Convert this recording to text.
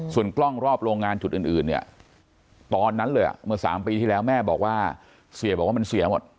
ส่วนกล้องรอบโรงงานจุดอื่นเนี่ยตอนนั้นเลยเมื่อ๓ปีที่แล้วแม่บอกว่าเสียบอกว่ามันเสียหมด